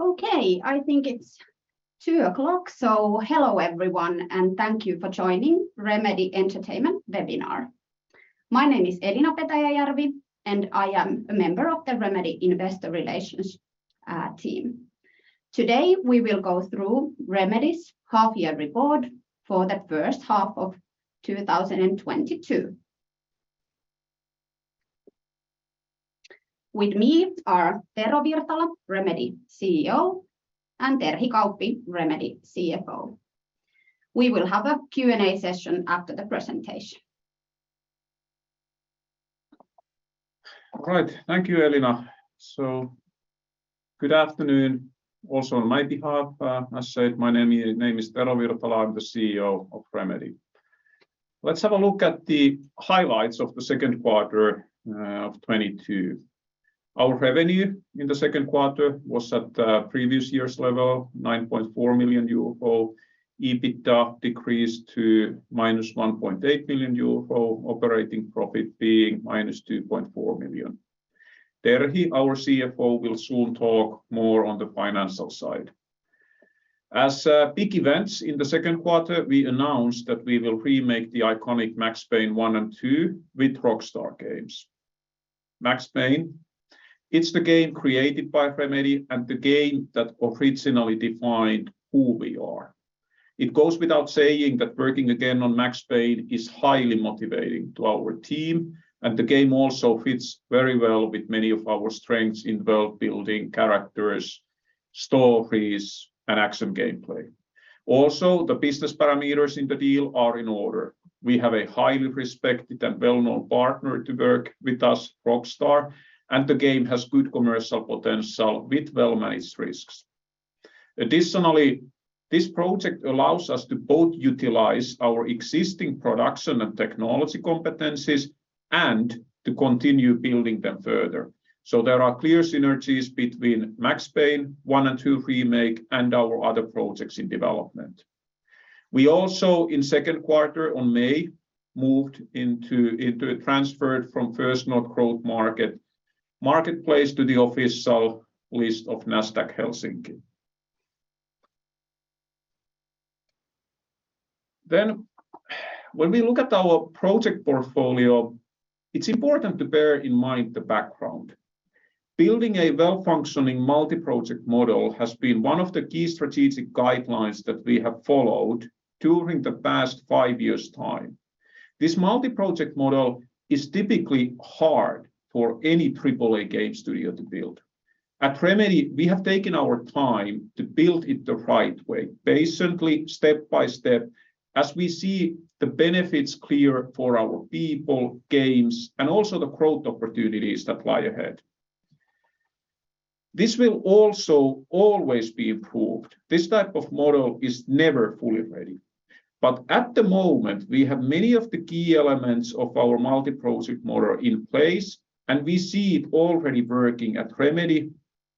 Okay, I think it's 2:00 P.M. Hello, everyone, and thank you for joining Remedy Entertainment webinar. My name is Elina Petäjäjärvi, and I am a member of the Remedy Investor Relations team. Today, we will go through Remedy's half-year report for the first half of 2022. With me are Tero Virtala, Remedy CEO, and Terhi Kauppi, Remedy CFO. We will have a Q&A session after the presentation. All right. Thank you, Elina. Good afternoon also on my behalf. As said, my name is Tero Virtala. I'm the CEO of Remedy. Let's have a look at the highlights of the second quarter of 2022. Our revenue in the second quarter was at previous year's level, 9.4 million euro. EBITDA decreased to -1.8 million euro, operating profit being -2.4 million. Terhi, our CFO, will soon talk more on the financial side. As big events in the second quarter, we announced that we will remake the iconic Max Payne one and two with Rockstar Games. Max Payne, it's the game created by Remedy and the game that originally defined who we are. It goes without saying that working again on Max Payne is highly motivating to our team, and the game also fits very well with many of our strengths in world building, characters, stories, and action gameplay. Also, the business parameters in the deal are in order. We have a highly respected and well-known partner to work with us, Rockstar, and the game has good commercial potential with well-managed risks. Additionally, this project allows us to both utilize our existing production and technology competencies and to continue building them further. There are clear synergies between Max Payne 1 and 2 remake and our other projects in development. We also, in second quarter on May, transferred from First North Growth Market to the official list of Nasdaq Helsinki. When we look at our project portfolio, it's important to bear in mind the background. Building a well-functioning multi-project model has been one of the key strategic guidelines that we have followed during the past five years' time. This multi-project model is typically hard for any AAA game studio to build. At Remedy, we have taken our time to build it the right way, patiently, step by step, as we see the benefits clear for our people, games, and also the growth opportunities that lie ahead. This will also always be improved. This type of model is never fully ready. At the moment, we have many of the key elements of our multi-project model in place, and we see it already working at Remedy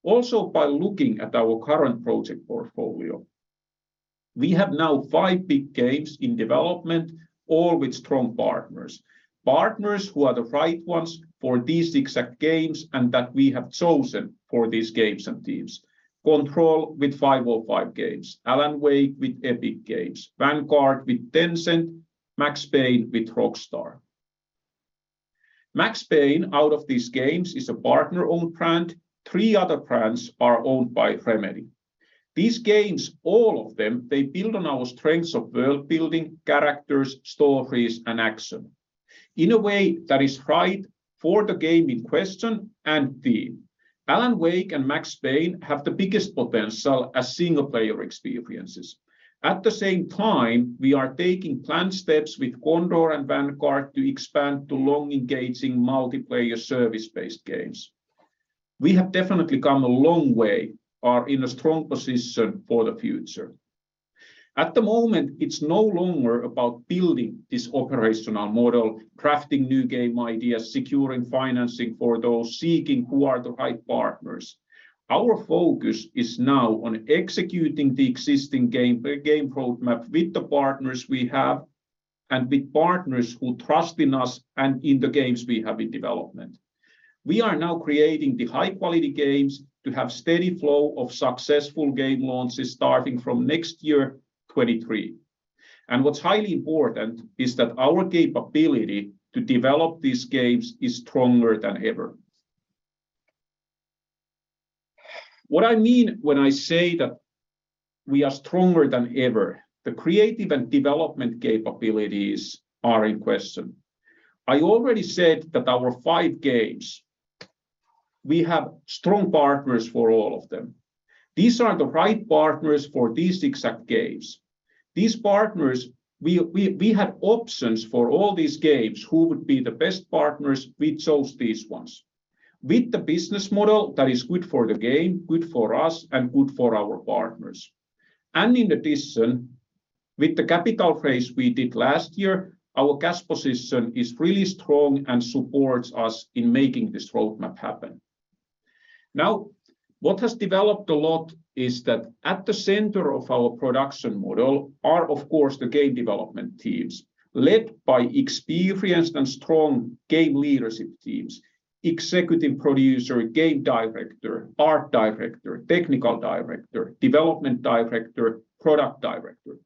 also by looking at our current project portfolio. We have now five big games in development, all with strong partners. Partners who are the right ones for these exact games and that we have chosen for these games and teams. Control with 505 Games, Alan Wake with Epic Games, Vanguard with Tencent, Max Payne with Rockstar. Max Payne, out of these games, is a partner-owned brand. Three other brands are owned by Remedy. These games, all of them, they build on our strengths of world building, characters, stories, and action in a way that is right for the game in question and theme. Alan Wake and Max Payne have the biggest potential as single player experiences. At the same time, we are taking planned steps with Condor and Vanguard to expand to long engaging multiplayer service-based games. We have definitely come a long way, are in a strong position for the future. At the moment, it's no longer about building this operational model, crafting new game ideas, securing financing for those, seeking who are the right partners. Our focus is now on executing the existing game road map with the partners we have and with partners who trust in us and in the games we have in development. We are now creating the high-quality games to have steady flow of successful game launches starting from next year, 2023. What's highly important is that our capability to develop these games is stronger than ever. What I mean when I say that we are stronger than ever, the creative and development capabilities are in question. I already said that our five games, we have strong partners for all of them. These are the right partners for these exact games. These partners, we had options for all these games, who would be the best partners, we chose these ones with the business model that is good for the game, good for us, and good for our partners. In addition, with the capital raise we did last year, our cash position is really strong and supports us in making this road map happen. Now, what has developed a lot is that at the center of our production model are, of course, the game development teams led by experienced and strong game leadership teams, executive producer, game director, art director, technical director, development director, product director.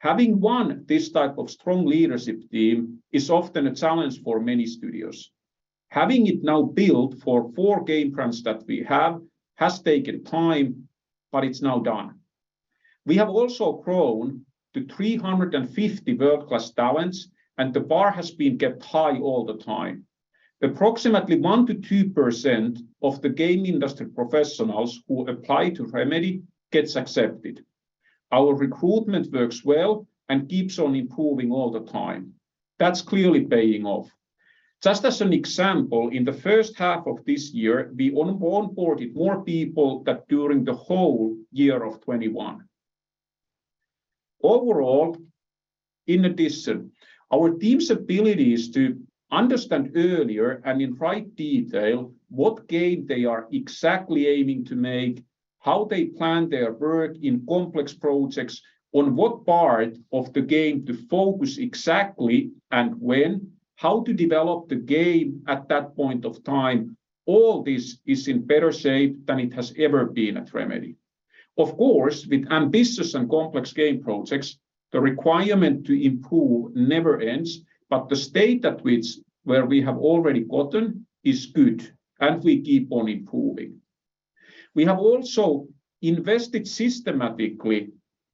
Having one, this type of strong leadership team is often a challenge for many studios. Having it now built for four game plans that we have has taken time, but it's now done. We have also grown to 350 world-class talents, and the bar has been kept high all the time. Approximately 1%-2% of the game industry professionals who apply to Remedy gets accepted. Our recruitment works well and keeps on improving all the time. That's clearly paying off. Just as an example, in the first half of this year, we onboarded more people than during the whole year of 2021. Overall, in addition, our team's abilities to understand earlier and in right detail what game they are exactly aiming to make, how they plan their work in complex projects, on what part of the game to focus exactly and when, how to develop the game at that point of time, all this is in better shape than it has ever been at Remedy. Of course, with ambitious and complex game projects, the requirement to improve never ends, but the state to which we have already gotten is good, and we keep on improving. We have also invested systematically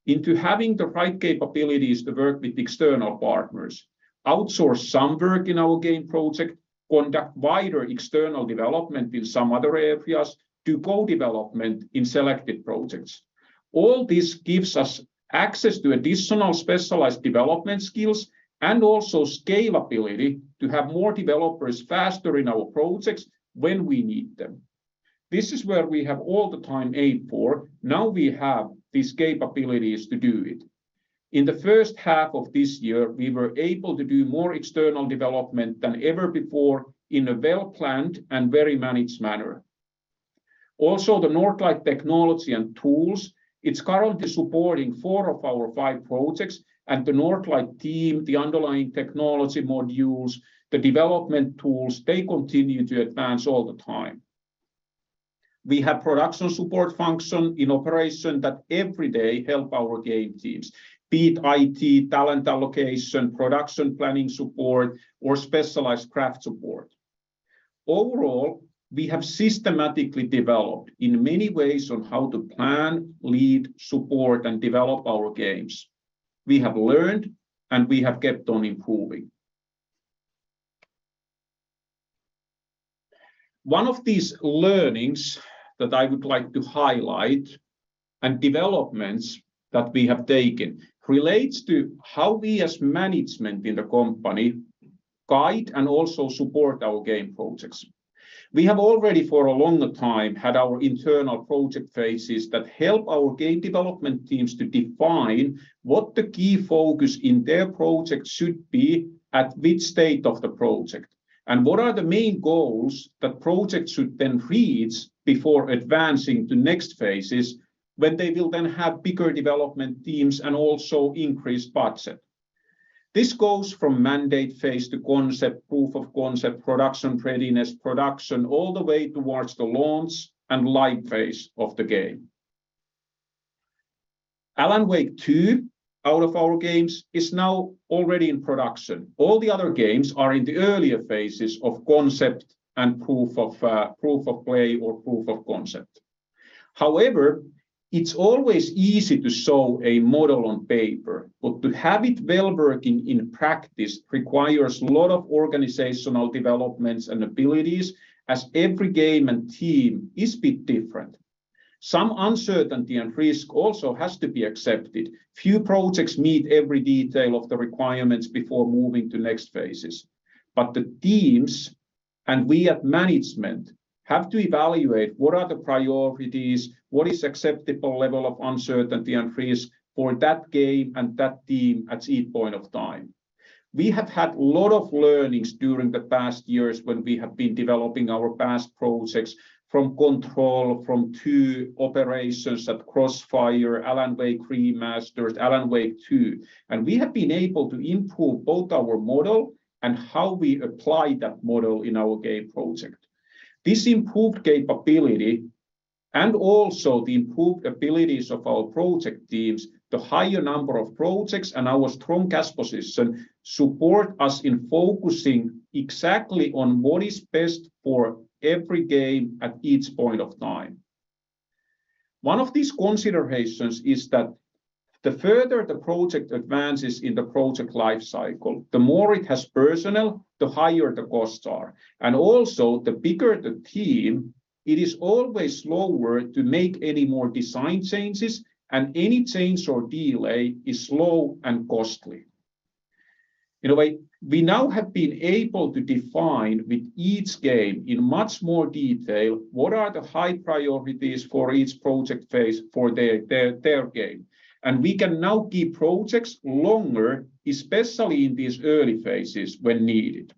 into having the right capabilities to work with external partners, outsource some work in our game project, conduct wider external development in some other areas, do co-development in selected projects. All this gives us access to additional specialized development skills and also scalability to have more developers faster in our projects when we need them. This is where we have all the time aimed for. Now we have these capabilities to do it. In the first half of this year, we were able to do more external development than ever before in a well-planned and very managed manner. Also, the Northlight technology and tools, it's currently supporting four of our five projects, and the Northlight team, the underlying technology modules, the development tools, they continue to advance all the time. We have production support function in operation that every day help our game teams, be it IT, talent allocation, production planning support, or specialized craft support. Overall, we have systematically developed in many ways on how to plan, lead, support, and develop our games. We have learned, and we have kept on improving. One of these learnings that I would like to highlight and developments that we have taken relates to how we as management in the company guide and also support our game projects. We have already for a longer time had our internal project phases that help our game development teams to define what the key focus in their project should be at which state of the project, and what are the main goals the project should then reach before advancing to next phases when they will then have bigger development teams and also increased budget. This goes from mandate phase to concept, proof of concept, production readiness, production, all the way towards the launch and live phase of the game. Alan Wake 2, out of our games, is now already in production. All the other games are in the earlier phases of concept and proof of play or proof of concept. However, it's always easy to show a model on paper, but to have it well working in practice requires a lot of organizational developments and abilities as every game and team is a bit different. Some uncertainty and risk also has to be accepted. Few projects meet every detail of the requirements before moving to next phases. The teams and we at management have to evaluate what are the priorities, what is acceptable level of uncertainty and risk for that game and that team at each point in time. We have had a lot of learnings during the past years when we have been developing our past projects from Control, from two operations at CrossfireX, Alan Wake Remastered, Alan Wake 2. We have been able to improve both our model and how we apply that model in our game project. This improved capability and also the improved abilities of our project teams, the higher number of projects and our strong cash position support us in focusing exactly on what is best for every game at each point of time. One of these considerations is that the further the project advances in the project life cycle, the more it has personnel, the higher the costs are. Also the bigger the team, it is always slower to make any more design changes, and any change or delay is slow and costly. In a way, we now have been able to define with each game in much more detail what are the high priorities for each project phase for their game. We can now keep projects longer, especially in these early phases when needed.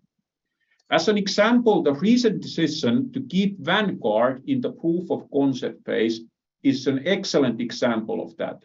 As an example, the recent decision to keep Vanguard in the proof of concept phase is an excellent example of that.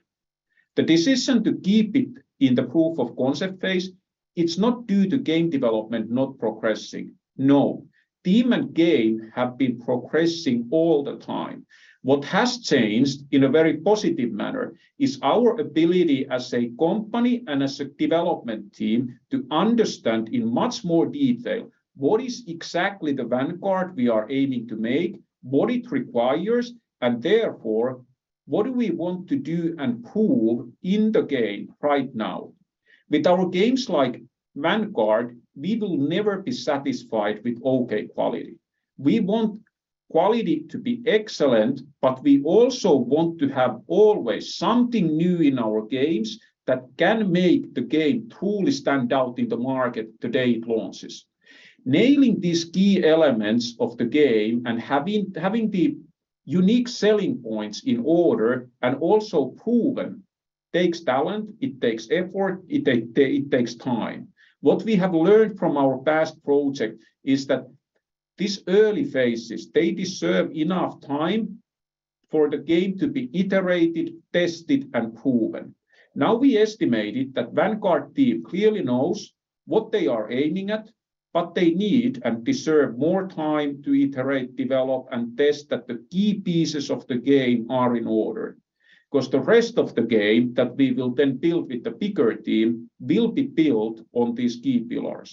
It's not due to game development not progressing. No. Team and game have been progressing all the time. What has changed in a very positive manner is our ability as a company and as a development team to understand in much more detail what is exactly the Vanguard we are aiming to make, what it requires, and therefore, what do we want to do and pull in the game right now. With our games like Vanguard, we will never be satisfied with okay quality. We want quality to be excellent, but we also want to have always something new in our games that can make the game truly stand out in the market the day it launches. Nailing these key elements of the game and having the unique selling points in order and also proven takes talent. It takes effort. It takes time. What we have learned from our past project is that these early phases, they deserve enough time for the game to be iterated, tested, and proven. Now we estimated that Vanguard team clearly knows what they are aiming at, what they need and deserve more time to iterate, develop, and test that the key pieces of the game are in order. 'Cause the rest of the game that we will then build with the bigger team will be built on these key pillars.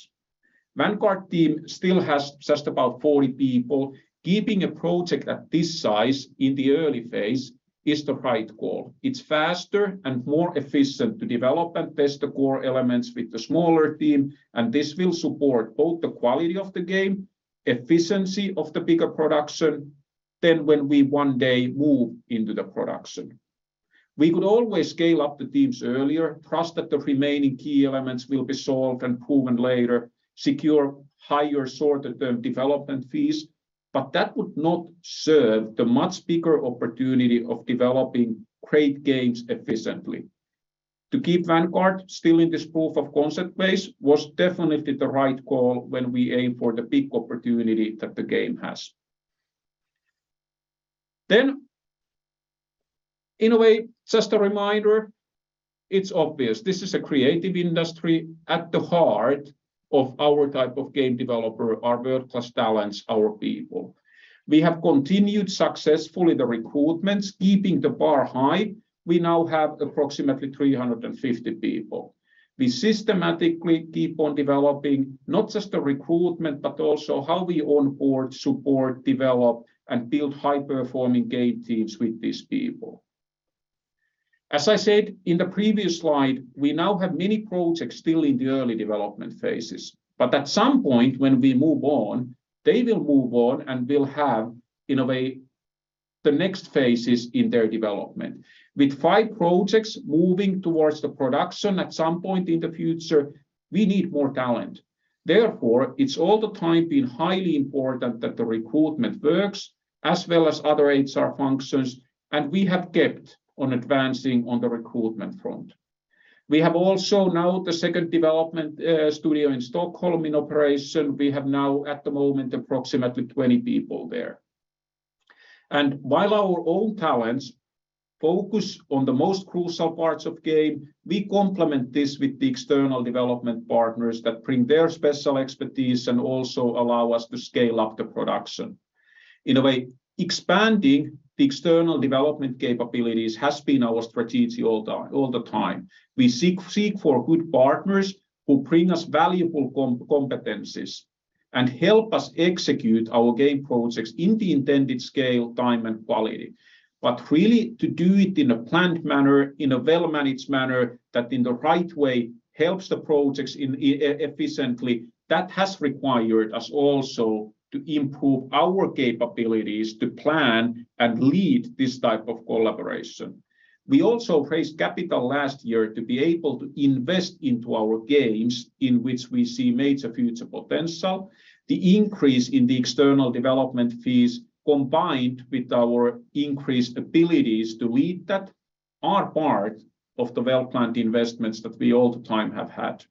Vanguard team still has just about 40 people. Keeping a project at this size in the early phase is the right call. It's faster and more efficient to develop and test the core elements with the smaller team, and this will support both the quality of the game, efficiency of the bigger production than when we one day move into the production. We could always scale up the teams earlier, trust that the remaining key elements will be solved and proven later, secure higher shorter-term development fees, but that would not serve the much bigger opportunity of developing great games efficiently. To keep Vanguard still in this proof of concept phase was definitely the right call when we aim for the big opportunity that the game has. In a way, just a reminder, it's obvious this is a creative industry. At the heart of our type of game developer are world-class talents, our people. We have continued successfully the recruitments, keeping the bar high. We now have approximately 350 people. We systematically keep on developing not just the recruitment, but also how we onboard, support, develop, and build high-performing game teams with these people. As I said in the previous slide, we now have many projects still in the early development phases. At some point when we move on, they will move on, and we'll have, in a way, the next phases in their development. With five projects moving towards the production at some point in the future, we need more talent. Therefore, it's all the time been highly important that the recruitment works as well as other HR functions, and we have kept on advancing on the recruitment front. We have also now the second development, studio in Stockholm in operation. We have now at the moment approximately 20 people there. While our own talents focus on the most crucial parts of game, we complement this with the external development partners that bring their special expertise and also allow us to scale up the production. In a way, expanding the external development capabilities has been our strategy all the time. We seek for good partners who bring us valuable competencies and help us execute our game projects in the intended scale, time, and quality. Really to do it in a planned manner, in a well-managed manner that in the right way helps the projects efficiently, that has required us also to improve our capabilities to plan and lead this type of collaboration. We also raised capital last year to be able to invest into our games in which we see major future potential. The increase in the external development fees combined with our increased abilities to lead that are part of the well-planned investments that we all the time have had.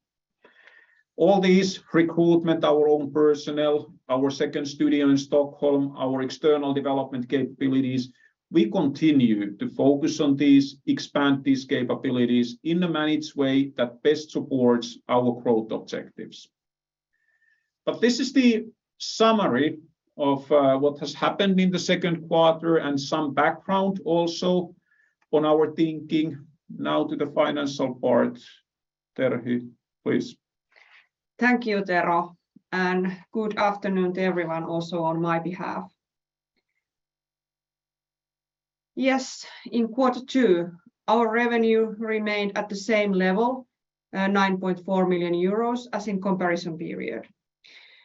All these recruitment, our own personnel, our second studio in Stockholm, our external development capabilities, we continue to focus on these, expand these capabilities in a managed way that best supports our growth objectives. This is the summary of what has happened in the second quarter and some background also on our thinking. Now to the financial part. Terhi, please. Thank you, Tero, and good afternoon to everyone also on my behalf. Yes, in quarter two, our revenue remained at the same level, 9.4 million euros as in comparison period.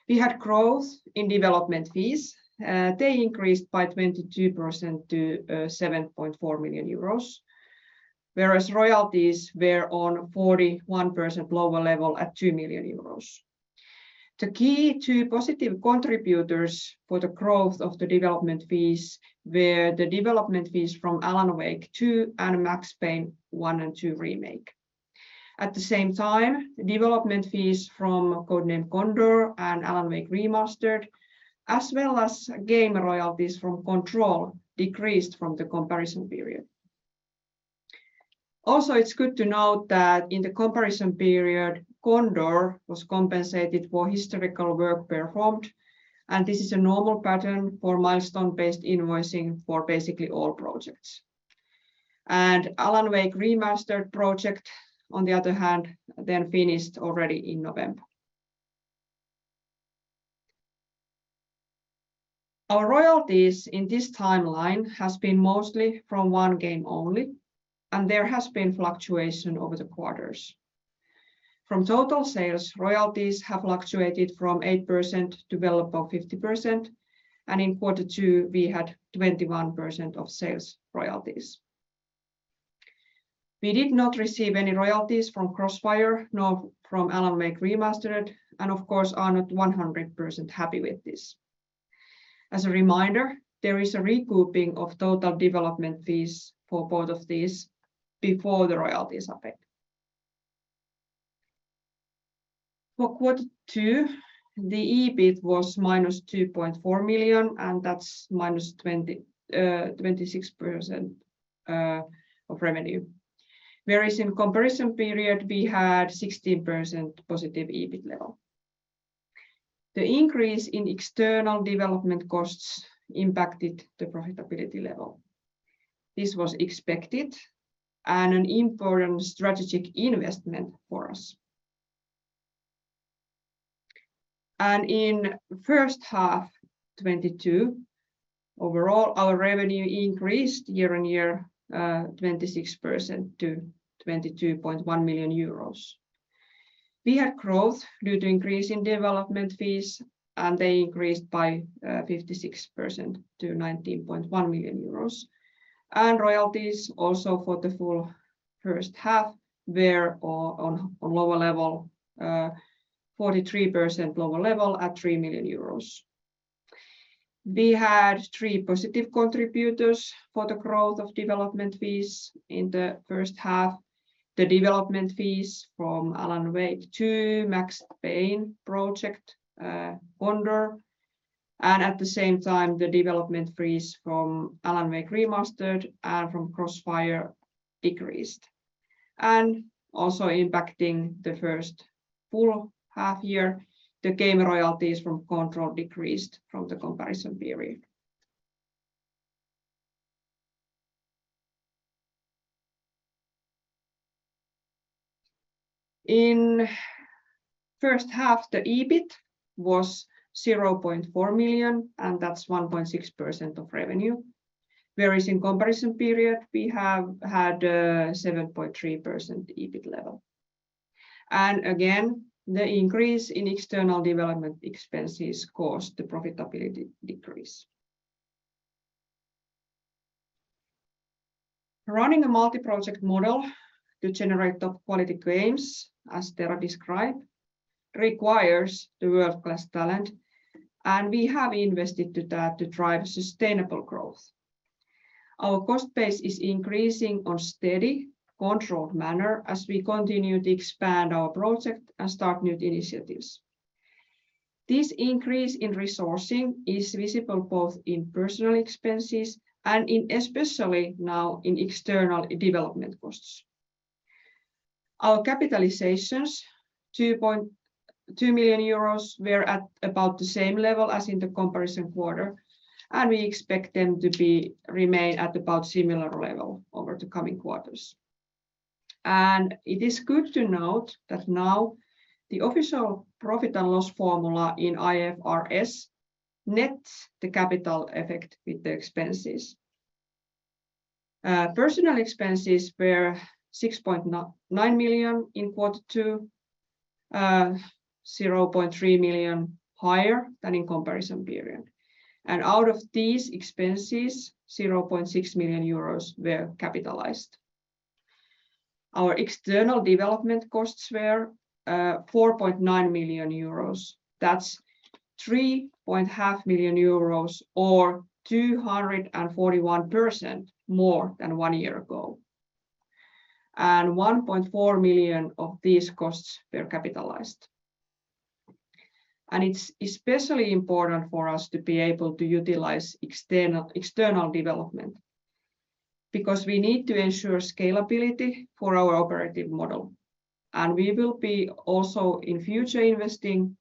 We had growth in development fees. They increased by 22% to 7.4 million euros, whereas royalties were on 41% lower level at 2 million euros. The key positive contributors for the growth of the development fees were the development fees from Alan Wake 2 and Max Payne one and two remake. At the same time, development fees from Codename Condor and Alan Wake Remastered, as well as game royalties from Control decreased from the comparison period. Also, it's good to note that in the comparison period, Condor was compensated for historical work performed, and this is a normal pattern for milestone-based invoicing for basically all projects. Alan Wake Remastered project, on the other hand, then finished already in November. Our royalties in this timeline has been mostly from one game only, and there has been fluctuation over the quarters. From total sales, royalties have fluctuated from 8% to well above 50%, and in quarter two, we had 21% of sales royalties. We did not receive any royalties from CrossfireX nor from Alan Wake Remastered, and of course are not 100% happy with this. As a reminder, there is a recouping of total development fees for both of these before the royalties are paid. For quarter two, the EBIT was -2.4 million, and that's -26% of revenue. Whereas in comparison period, we had 16% positive EBIT level. The increase in external development costs impacted the profitability level. This was expected and an important strategic investment for us. In first half 2022, overall, our revenue increased year-on-year 26% to 22.1 million euros. We had growth due to increase in development fees, and they increased by 56% to 19.1 million euros. Royalties also for the full first half were on lower level, 43% lower level at 3 million euros. We had three positive contributors for the growth of development fees in the first half. The development fees from Alan Wake two, Max Payne project, Condor. At the same time, the development fees from Alan Wake Remastered and from CrossfireX decreased. Also impacting the first full half year, the game royalties from Control decreased from the comparison period. In first half, the EBIT was 0.4 million, and that's 1.6% of revenue. Whereas in comparison period, we have had 7.3% EBIT level. Again, the increase in external development expenses caused the profitability decrease. Running a multi-project model to generate top-quality games, as Tero described, requires world-class talent, and we have invested in that to drive sustainable growth. Our cost base is increasing in a steady, controlled manner as we continue to expand our project and start new initiatives. This increase in resourcing is visible both in personnel expenses and especially now in external development costs. Our capitalizations, 2 million euros, were at about the same level as in the comparison quarter, and we expect them to remain at about similar level over the coming quarters. It is good to note that now the official profit and loss formula in IFRS nets the capital effect with the expenses. Personal expenses were 6.9 million in quarter two, 0.3 million higher than in comparison period. Out of these expenses, 0.6 million euros were capitalized. Our external development costs were 4.9 million euros. That's 3.5 million euros or 241% more than one year ago. 1.4 million of these costs were capitalized. It's especially important for us to be able to utilize external development because we need to ensure scalability for our operative model. We will be also in future investing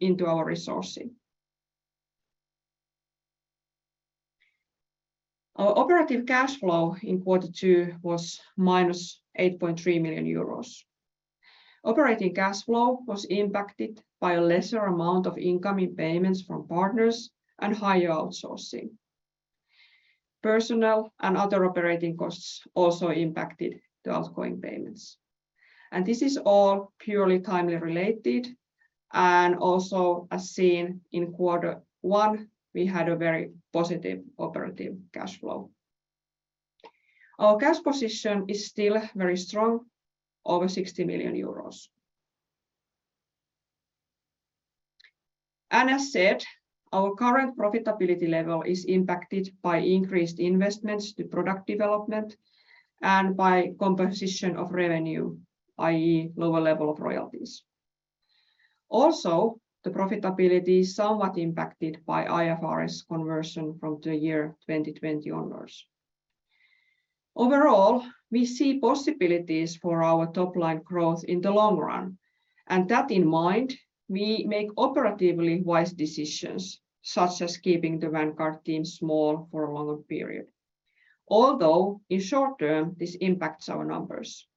into our resourcing. Our operative cash flow in quarter two was -8.3 million euros. Operating cash flow was impacted by a lesser amount of incoming payments from partners and higher outsourcing. Personnel and other operating costs also impacted the outgoing payments. This is all purely timing related and also as seen in quarter one, we had a very positive operating cash flow. Our cash position is still very strong, over 60 million euros. As said, our current profitability level is impacted by increased investments in product development and by composition of revenue, i.e., lower level of royalties. The profitability is somewhat impacted by IFRS conversion from the year 2020 onwards. Overall, we see possibilities for our top line growth in the long run, and with that in mind, we make operationally wise decisions, such as keeping the Vanguard team small for a longer period. Although in short term, this impacts our numbers.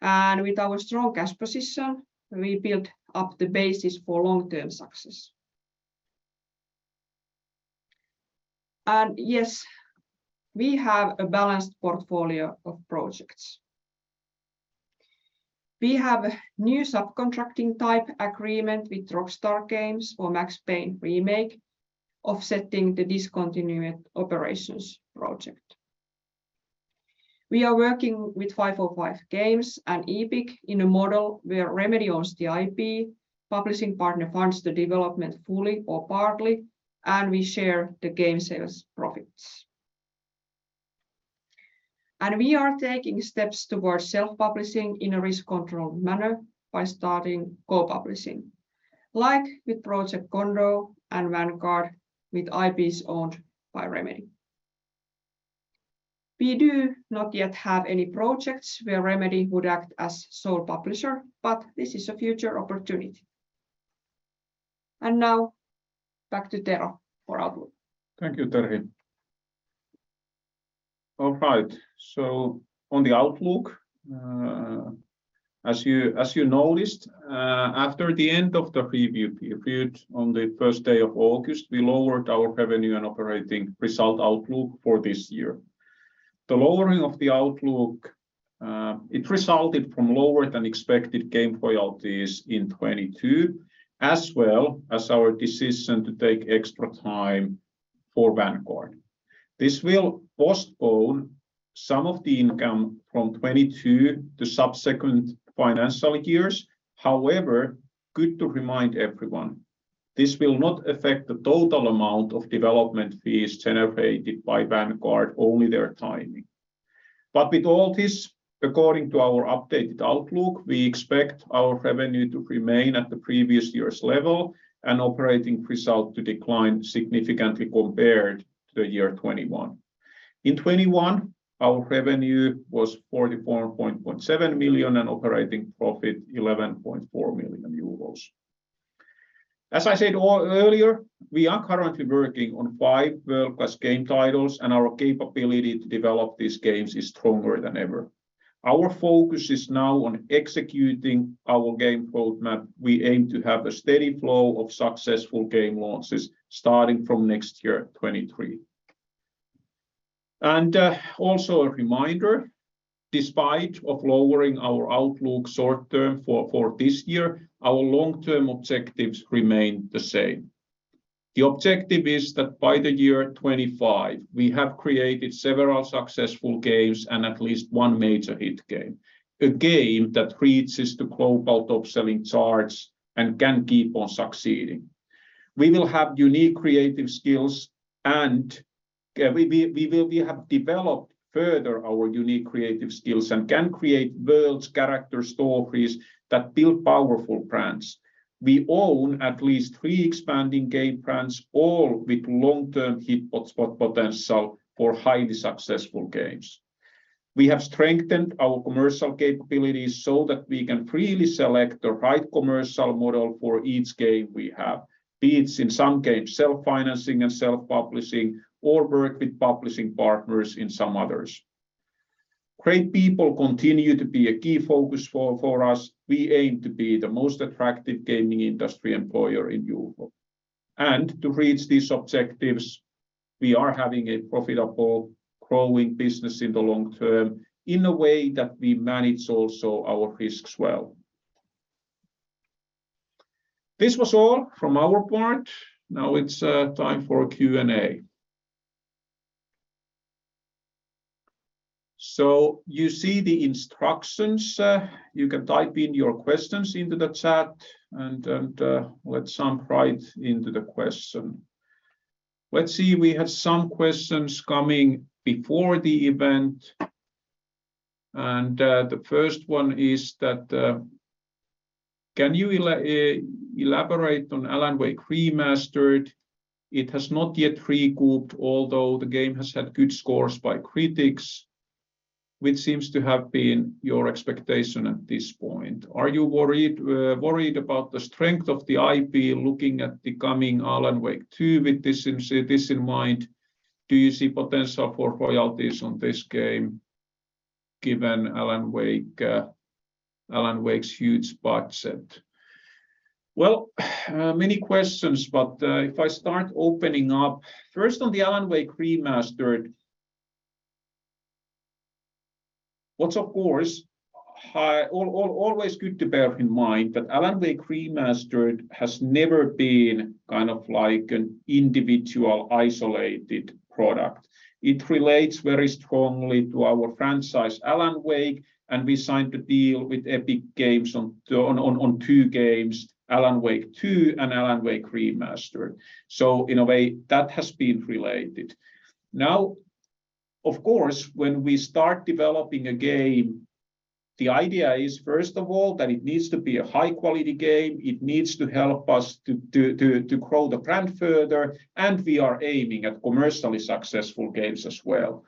With our strong cash position, we build up the basis for long-term success. Yes, we have a balanced portfolio of projects. We have a new subcontracting type agreement with Rockstar Games for Max Payne remake, offsetting the discontinued operations project. We are working with 505 Games and Epic in a model where Remedy owns the IP, publishing partner funds the development fully or partly, and we share the game sales profits. We are taking steps toward self-publishing in a risk-controlled manner by starting co-publishing, like with Project Condor and Vanguard with IPs owned by Remedy. We do not yet have any projects where Remedy would act as sole publisher, but this is a future opportunity. Now back to Tero for outlook. Thank you, Terhi. All right, on the outlook, as you noticed, after the end of the review period on the first day of August, we lowered our revenue and operating result outlook for this year. The lowering of the outlook, it resulted from lower than expected game royalties in 2022, as well as our decision to take extra time for Vanguard. This will postpone some of the income from 2022 to subsequent financial years. However, good to remind everyone, this will not affect the total amount of development fees generated by Vanguard, only their timing. With all this, according to our updated outlook, we expect our revenue to remain at the previous year's level and operating result to decline significantly compared to the year 2021. In 2021, our revenue was 44.7 million and operating profit 11.4 million euros. As I said earlier, we are currently working on five world-class game titles, and our capability to develop these games is stronger than ever. Our focus is now on executing our game roadmap. We aim to have a steady flow of successful game launches starting from next year, 2023. Also a reminder, despite of lowering our outlook short term for this year, our long-term objectives remain the same. The objective is that by the year 2025, we have created several successful games and at least one major hit game, a game that reaches the global top-selling charts and can keep on succeeding. We will have unique creative skills, and we have developed further our unique creative skills and can create worlds, characters, stories that build powerful brands. We own at least three expanding game brands, all with long-term hit potential for highly successful games. We have strengthened our commercial capabilities so that we can freely select the right commercial model for each game we have. Be it in some games, self-financing and self-publishing, or work with publishing partners in some others. Great people continue to be a key focus for us. We aim to be the most attractive gaming industry employer in Europe. To reach these objectives, we are having a profitable, growing business in the long term in a way that we manage also our risks well. This was all from our part. Now it's time for Q&A. You see the instructions. You can type in your questions into the chat, and let's jump right into the question. Let's see. We had some questions coming before the event. The first one is that, can you elaborate on Alan Wake Remastered? It has not yet recouped, although the game has had good scores by critics, which seems to have been your expectation at this point. Are you worried about the strength of the IP looking at the coming Alan Wake 2 with this in mind? Do you see potential for royalties on this game given Alan Wake's huge budget? Well, many questions, but, if I start opening up, first on the Alan Wake Remastered, what's of course always good to bear in mind that Alan Wake Remastered has never been kind of like an individual isolated product. It relates very strongly to our franchise, Alan Wake, and we signed a deal with Epic Games on two games, Alan Wake 2 and Alan Wake Remastered. In a way, that has been related. Now, of course, when we start developing a game, the idea is first of all, that it needs to be a high quality game, it needs to help us to grow the brand further, and we are aiming at commercially successful games as well.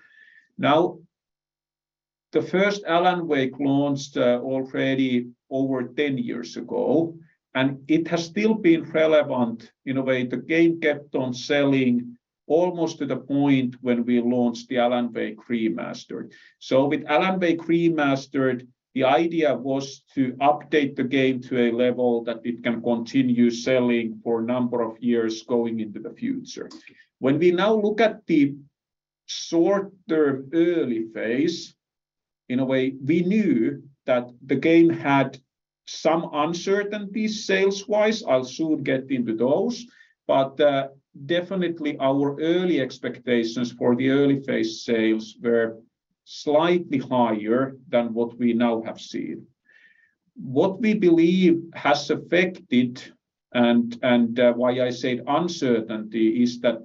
Now, the first Alan Wake launched already over 10 years ago, and it has still been relevant in a way the game kept on selling almost to the point when we launched the Alan Wake Remastered. With Alan Wake Remastered, the idea was to update the game to a level that it can continue selling for a number of years going into the future. When we now look at the shorter early phase, in a way we knew that the game had some uncertainty sales wise. I'll soon get into those. Definitely our early expectations for the early phase sales were slightly higher than what we now have seen. What we believe has affected and why I said uncertainty, is that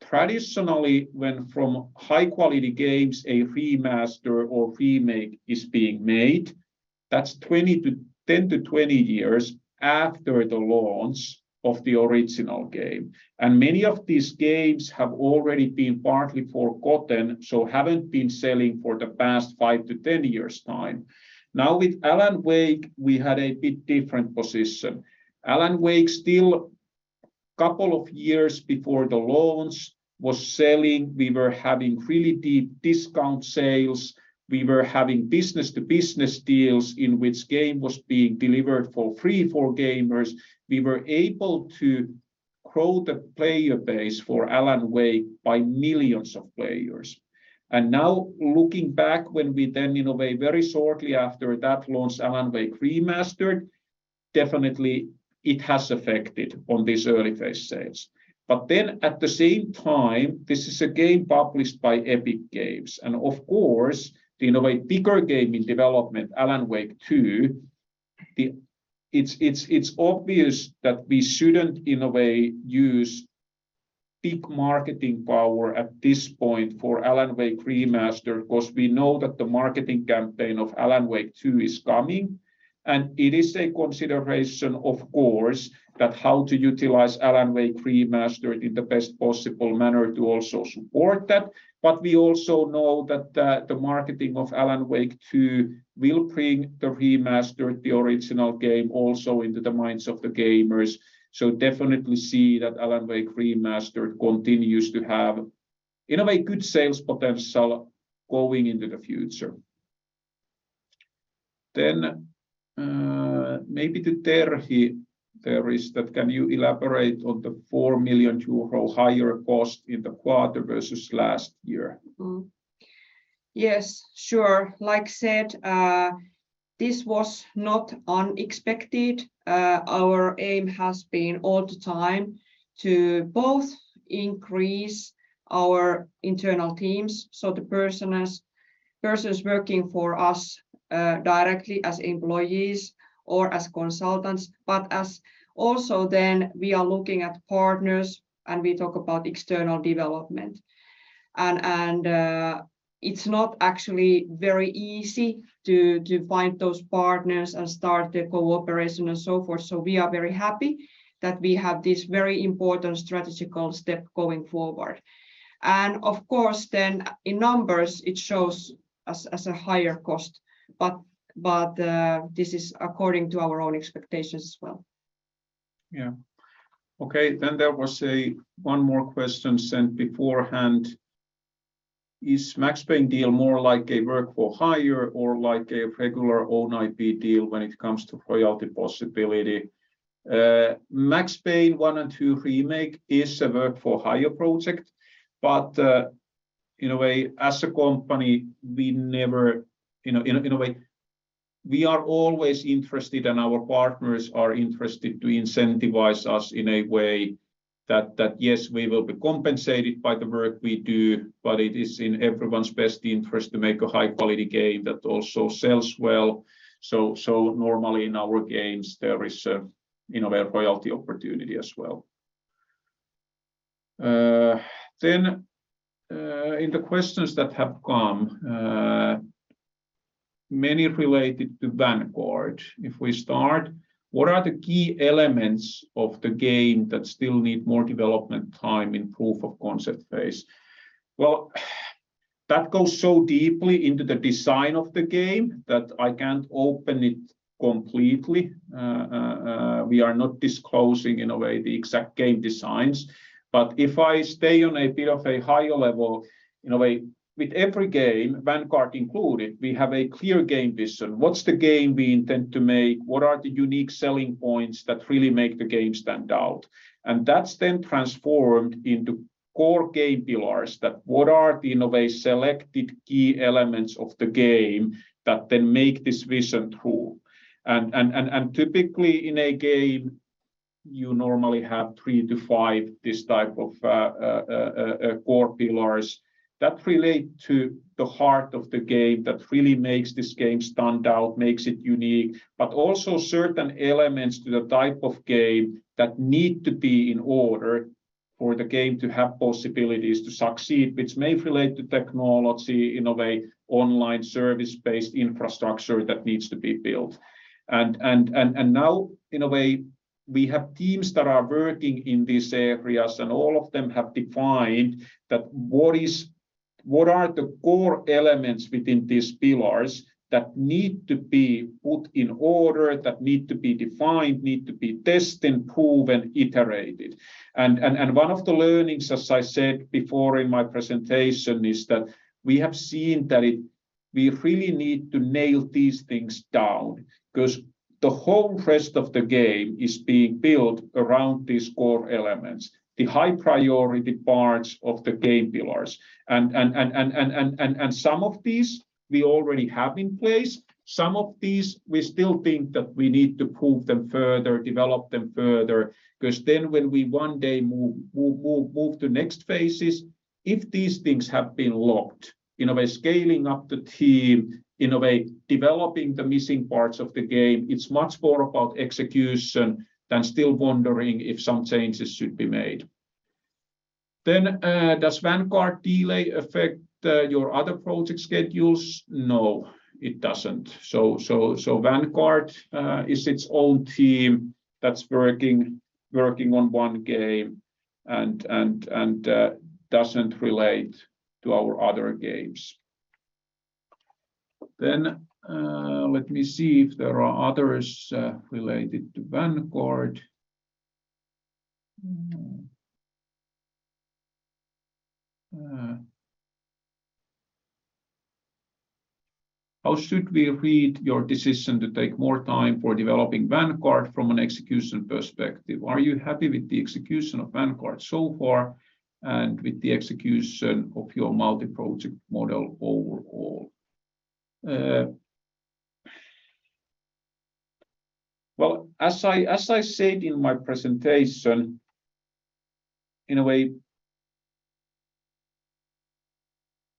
traditionally when from high quality games a remaster or remake is being made, that's 10-20 years after the launch of the original game. Many of these games have already been partly forgotten, so haven't been selling for the past 5-10 years' time. Now with Alan Wake, we had a bit different position. Alan Wake, still a couple of years before the launch, was selling. We were having really deep discount sales. We were having business to business deals in which game was being delivered for free for gamers. We were able to grow the player base for Alan Wake by millions of players. Now looking back, when we then in a way very shortly after that launched Alan Wake Remastered, definitely it has affected on these early phase sales. At the same time, this is a game published by Epic Games and of course, in a way, bigger game in development, Alan Wake 2. It's obvious that we shouldn't in a way use big marketing power at this point for Alan Wake Remastered, because we know that the marketing campaign of Alan Wake 2 is coming. It is a consideration, of course, that how to utilize Alan Wake Remastered in the best possible manner to also support that. We also know that the marketing of Alan Wake 2 will bring the remastered, the original game also into the minds of the gamers. Definitely see that Alan Wake Remastered continues to have, in a way, good sales potential going into the future. Maybe to Terhi there is that, can you elaborate on the 4 million euro higher cost in the quarter versus last year? Yes, sure. Like I said, this was not unexpected. Our aim has been all the time to both increase our internal teams, so the persons working for us directly as employees or as consultants, but also then we are looking at partners and we talk about external development, and it's not actually very easy to find those partners and start the cooperation and so forth. We are very happy that we have this very important strategic step going forward. Of course then in numbers it shows as a higher cost. This is according to our own expectations as well. Yeah. Okay. There was one more question sent beforehand. Is Max Payne deal more like a work-for-hire or like a regular own IP deal when it comes to royalty possibility? Max Payne 1 and 2 remake is a work-for-hire project, but in a way, as a company, we never, you know, in a way, we are always interested and our partners are interested to incentivize us in a way that yes, we will be compensated by the work we do, but it is in everyone's best interest to make a high quality game that also sells well. So normally in our games there is a, you know, a royalty opportunity as well. In the questions that have come, many related to Vanguard, if we start, what are the key elements of the game that still need more development time in proof of concept phase? Well, that goes so deeply into the design of the game that I can't open it completely. We are not disclosing in a way the exact game designs, but if I stay on a bit of a higher level, in a way, with every game, Vanguard included, we have a clear game vision. What's the game we intend to make? What are the unique selling points that really make the game stand out? That's then transformed into core game pillars, in a way, selected key elements of the game that then make this vision true. Typically in a game, you normally have three to five this type of core pillars that relate to the heart of the game that really makes this game stand out, makes it unique, but also certain elements to the type of game that need to be in order for the game to have possibilities to succeed, which may relate to technology in a way, online service-based infrastructure that needs to be built. Now, in a way, we have teams that are working in these areas, and all of them have defined that what are the core elements within these pillars that need to be put in order, that need to be defined, need to be tested, proven, iterated. One of the learnings, as I said before in my presentation, is that we have seen that it we really need to nail these things down, because the whole rest of the game is being built around these core elements, the high-priority parts of the game pillars. Some of these we already have in place. Some of these, we still think that we need to prove them further, develop them further, because then when we one day move to next phases, if these things have been locked, in a way, scaling up the team, in a way, developing the missing parts of the game, it is much more about execution than still wondering if some changes should be made. Does Vanguard delay affect your other project schedules? No, it doesn't. Vanguard is its own team that's working on one game and doesn't relate to our other games. Let me see if there are others related to Vanguard. How should we read your decision to take more time for developing Vanguard from an execution perspective? Are you happy with the execution of Vanguard so far and with the execution of your multi-project model overall? Well, as I said in my presentation, in a way,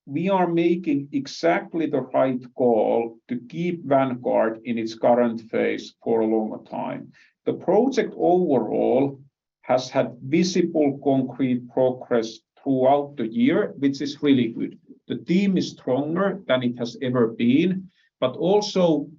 we are making exactly the right call to keep Vanguard in its current phase for a longer time. The project overall has had visible concrete progress throughout the year, which is really good. The team is stronger than it has ever been, but also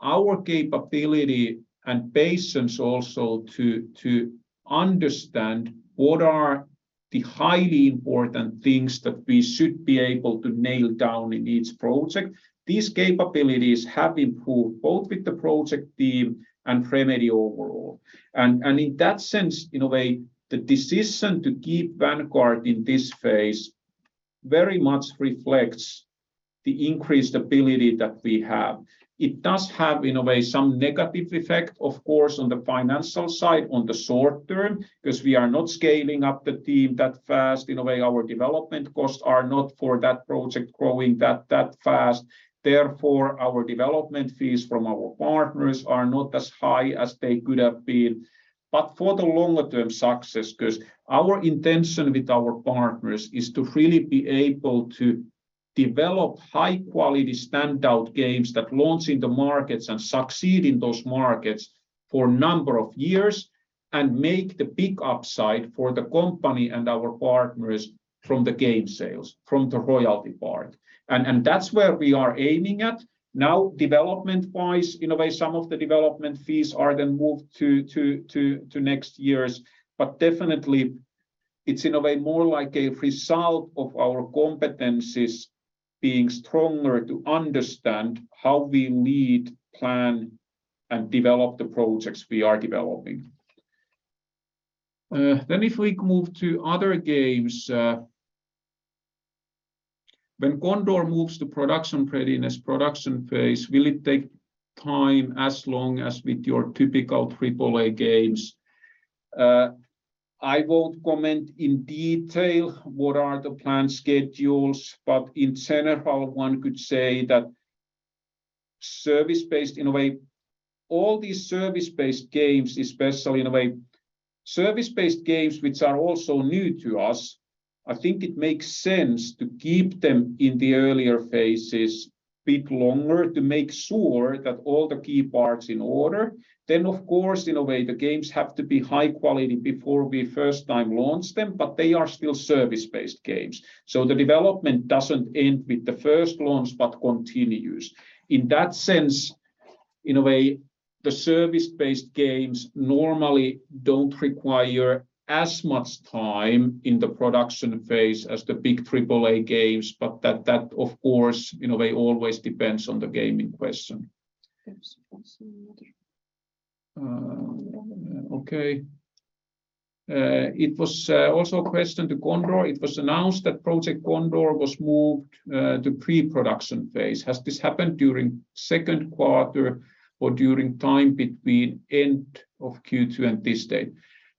our capability and patience also to understand what are the highly important things that we should be able to nail down in each project. These capabilities have improved both with the project team and Remedy overall. In that sense, in a way, the decision to keep Vanguard in this phase very much reflects the increased ability that we have. It does have, in a way, some negative effect, of course, on the financial side, in the short term, because we are not scaling up the team that fast. In a way, our development costs are not for that project growing that fast. Therefore, our development fees from our partners are not as high as they could have been. For the longer term success, because our intention with our partners is to really be able to develop high-quality, standout games that launch in the markets and succeed in those markets for a number of years and make the big upside for the company and our partners from the game sales, from the royalty part. That's where we are aiming at. Now, development-wise, in a way, some of the development fees are then moved to next years. Definitely, it's in a way more like a result of our competencies being stronger to understand how we need, plan, and develop the projects we are developing. Then if we move to other games, when Condor moves to production readiness, production phase, will it take time as long as with your typical AAA games? I won't comment in detail what are the planned schedules, but in general, one could say that service-based, in a way, all these service-based games especially, in a way, service-based games which are also new to us, I think it makes sense to keep them in the earlier phases bit longer to make sure that all the key parts in order. Then, of course, in a way, the games have to be high quality before we first time launch them, but they are still service-based games, so the development doesn't end with the first launch, but continues. In that sense, in a way, the service-based games normally don't require as much time in the production phase as the big AAA games, but that of course, in a way, always depends on the game in question. Okay. It was also a question to Condor. It was announced that Project Condor was moved to pre-production phase. Has this happened during second quarter or during time between end of Q2 and this date?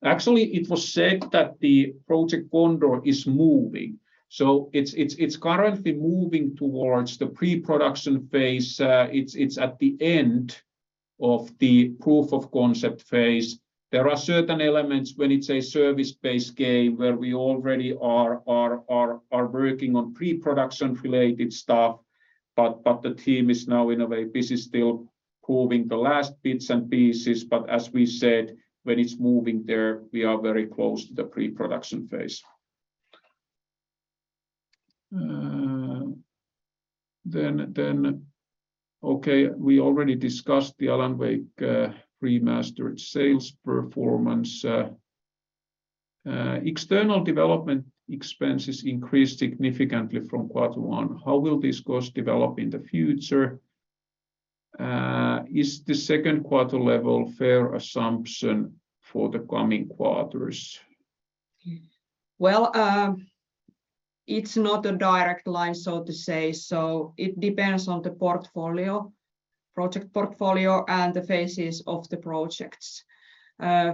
Actually, it was said that the Project Condor is moving, so it's currently moving towards the pre-production phase. It's at the end of the proof of concept phase. There are certain elements when it's a service-based game where we already are working on pre-production related stuff, but the team is now in a way busy still proving the last bits and pieces. But as we said, when it's moving there, we are very close to the pre-production phase. Okay, we already discussed the Alan Wake Remastered sales performance. External development expenses increased significantly from quarter 1. How will this cost develop in the future? Is the second quarter level fair assumption for the coming quarters? It's not a direct line, so to say. It depends on the portfolio, project portfolio, and the phases of the projects.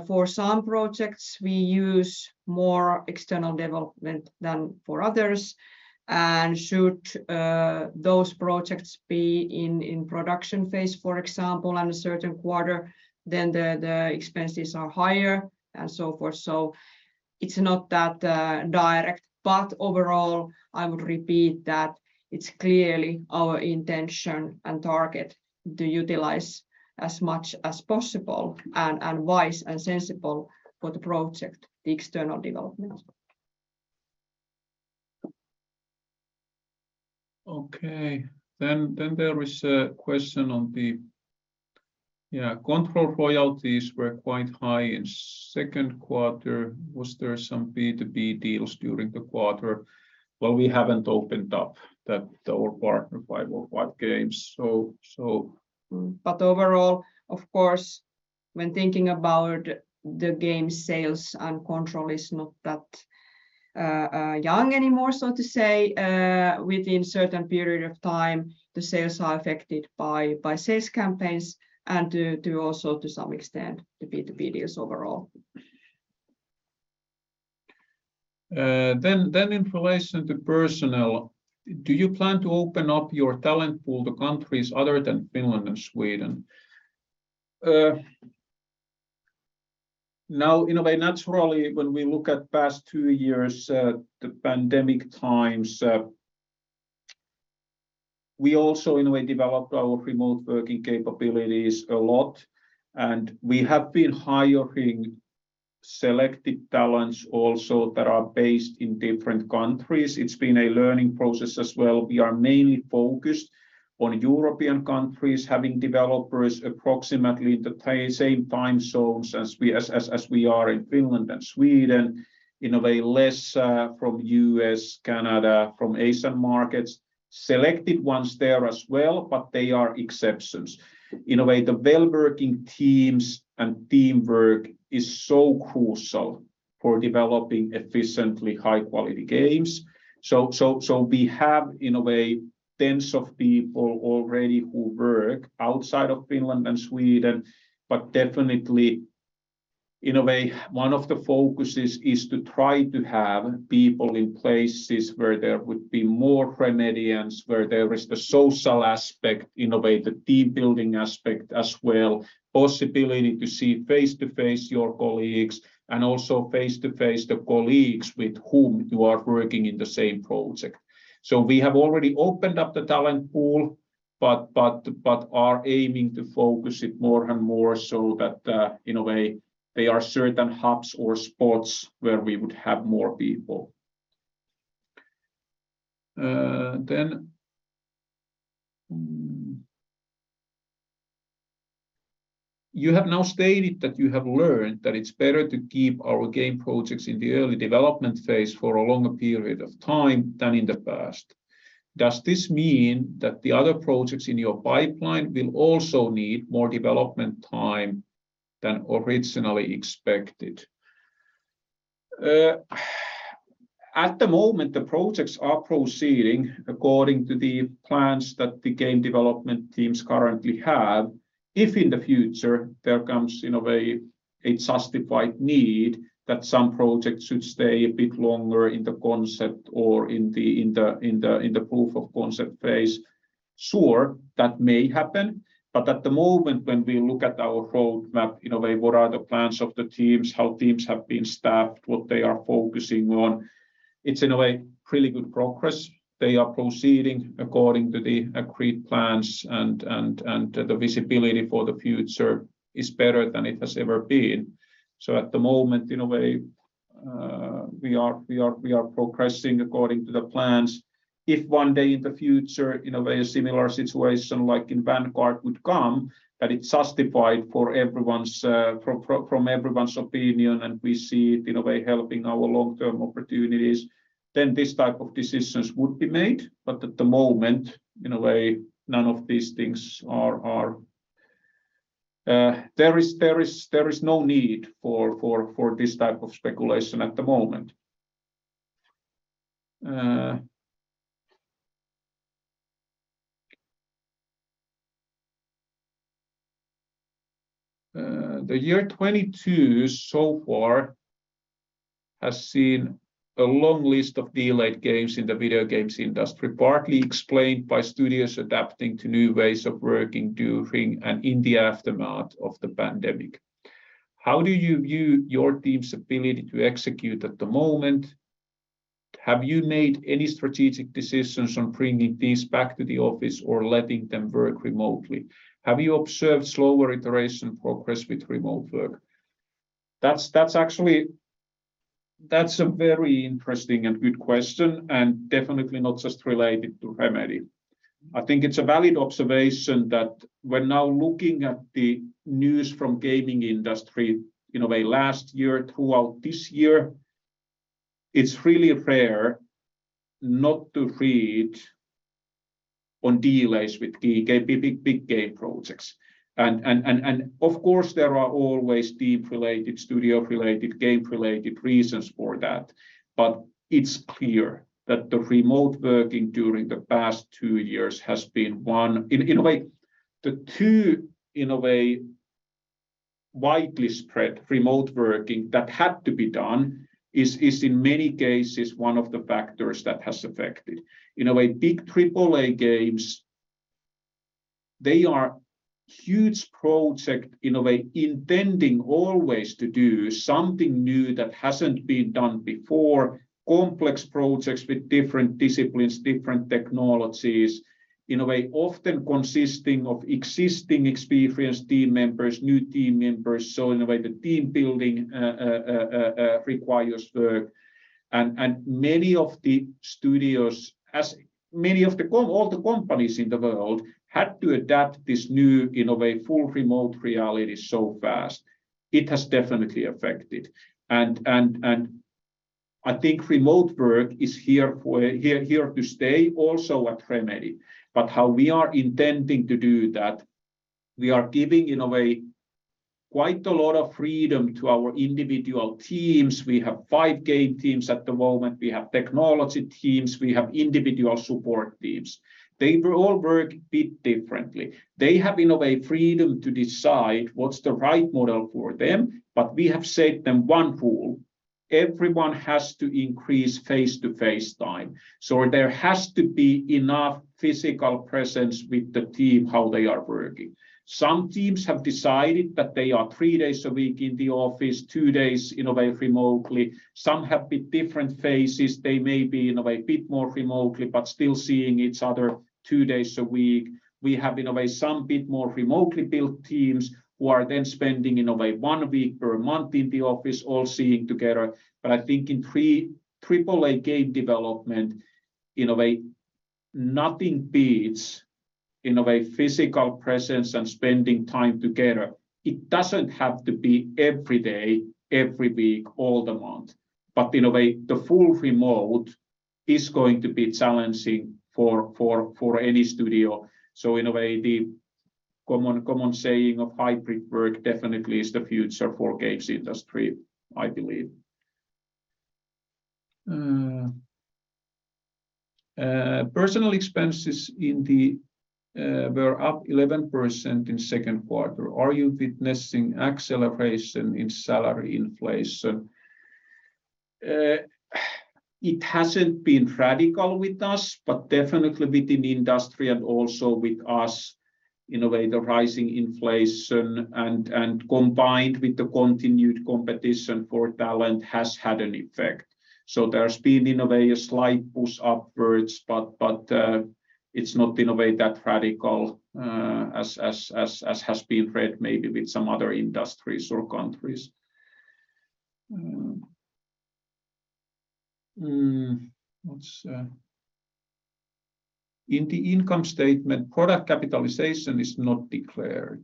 For some projects we use more external development than for others, and should those projects be in production phase, for example, on a certain quarter, then the expenses are higher and so forth. It's not that direct, but overall, I would repeat that it's clearly our intention and target to utilize as much as possible and wise and sensible for the project, the external development. Okay. There is a question on the, yeah, Control royalties were quite high in second quarter. Was there some B2B deals during the quarter? Well, we haven't opened up to our partner 505 Games. Overall, of course, when thinking about the game sales, and Control is not that young anymore, so to say, within certain period of time, the sales are affected by sales campaigns and do also to some extent the B2B deals overall. In relation to personnel, do you plan to open up your talent pool to countries other than Finland and Sweden? Now in a way, naturally, when we look at past two years, the pandemic times, we also in a way developed our remote working capabilities a lot, and we have been hiring selected talents also that are based in different countries. It's been a learning process as well. We are mainly focused on European countries, having developers approximately in the same time zones as we, as we are in Finland and Sweden, in a way less, from U.S., Canada, from Asian markets. Selected ones there as well, but they are exceptions. In a way, the well-working teams and teamwork is so crucial for developing efficiently high-quality games. We have, in a way, tens of people already who work outside of Finland and Sweden, but definitely, in a way, one of the focuses is to try to have people in places where there would be more Remedians, where there is the social aspect, in a way the team building aspect as well, possibility to see face-to-face your colleagues and also face-to-face the colleagues with whom you are working in the same project. We have already opened up the talent pool, but are aiming to focus it more and more so that, in a way, there are certain hubs or spots where we would have more people. You have now stated that you have learned that it's better to keep our game projects in the early development phase for a longer period of time than in the past. Does this mean that the other projects in your pipeline will also need more development time than originally expected? At the moment, the projects are proceeding according to the plans that the game development teams currently have. If in the future there comes in a way a justified need that some projects should stay a bit longer in the concept or in the proof of concept phase, sure, that may happen, but at the moment when we look at our roadmap, in a way what are the plans of the teams, how teams have been staffed, what they are focusing on, it's in a way pretty good progress. They are proceeding according to the agreed plans and the visibility for the future is better than it has ever been. At the moment, in a way, we are progressing according to the plans. If one day in the future, in a way, a similar situation like in Vanguard would come that it's justified for everyone's opinion and we see it in a way helping our long-term opportunities, then this type of decisions would be made. At the moment, in a way, none of these things are. There is no need for this type of speculation at the moment. The year 2022 so far has seen a long list of delayed games in the video games industry, partly explained by studios adapting to new ways of working during and in the aftermath of the pandemic. How do you view your team's ability to execute at the moment? Have you made any strategic decisions on bringing teams back to the office or letting them work remotely? Have you observed slower iteration progress with remote work? That's actually a very interesting and good question, and definitely not just related to Remedy. I think it's a valid observation that we're now looking at the news from gaming industry. In a way, last year, throughout this year, it's really rare not to read about delays with big game projects. Of course, there are always team-related, studio-related, game-related reasons for that. But it's clear that the remote working during the past two years has been one. In a way, the two, in a way, widely spread remote working that had to be done is in many cases one of the factors that has affected. In a way, big AAA games, they are huge project, in a way, intending always to do something new that hasn't been done before, complex projects with different disciplines, different technologies, in a way often consisting of existing experienced team members, new team members, so in a way the team building requires work. I think remote work is here to stay also at Remedy. How we are intending to do that, we are giving, in a way, quite a lot of freedom to our individual teams. We have five game teams at the moment. We have technology teams. We have individual support teams. They all work a bit differently. They have, in a way, freedom to decide what's the right model for them, but we have set them one rule: everyone has to increase face-to-face time. There has to be enough physical presence with the team how they are working. Some teams have decided that they are three days a week in the office, two days, in a way, remotely. Some have a bit different phases. They may be, in a way, a bit more remotely, but still seeing each other two days a week. We have, in a way, some a bit more remotely built teams who are then spending, in a way, 1 week per month in the office all seeing together. I think in AAA game development, in a way, nothing beats, in a way, physical presence and spending time together. It doesn't have to be every day, every week, all the month. In a way, the full remote is going to be challenging for any studio. In a way, the common saying of hybrid work definitely is the future for games industry, I believe. Personal expenses in the were up 11% in second quarter. Are you witnessing acceleration in salary inflation? It hasn't been radical with us, but definitely within industry and also with us. In a way, the rising inflation and combined with the continued competition for talent has had an effect. There's been, in a way, a slight push upwards, but it's not, in a way, that radical, as has been read maybe with some other industries or countries. What's In the income statement, product capitalization is not declared.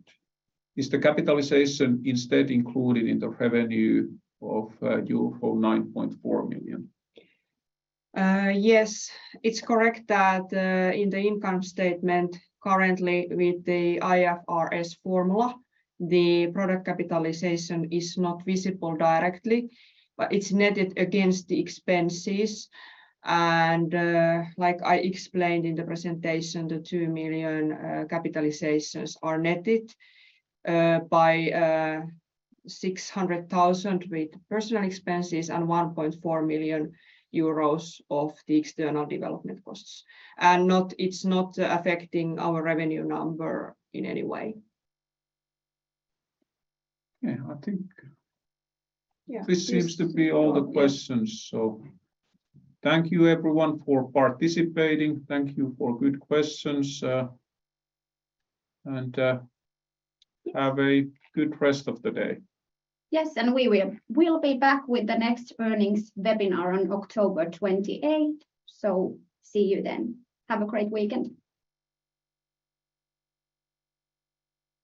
Is the capitalization instead included in the revenue of euro 9.4 million? Yes. It's correct that in the income statement currently with the IFRS formula, the product capitalization is not visible directly, but it's netted against the expenses, and like I explained in the presentation, the 2 million capitalizations are netted by 600,000 with personal expenses and 1.4 million euros of the external development costs. It's not affecting our revenue number in any way. Yeah. Yeah This seems to be all the questions. Thank you everyone for participating. Thank you for good questions, and have a good rest of the day. Yes, we will. We'll be back with the next earnings webinar on October 28th, so see you then. Have a great weekend.